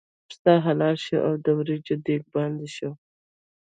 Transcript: پسه حلال شو او د وریجو دېګ باندې شو.